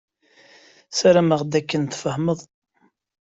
Ssarameɣ d akken tfehmeḍ.